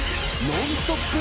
ノンストップ！